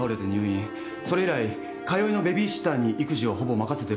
それ以来通いのベビーシッターに育児をほぼ任せてるって。